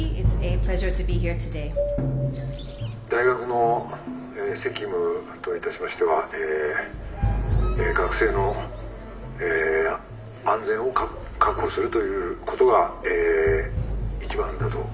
「大学の責務といたしましてはえ学生の安全を確保するということが一番だと」。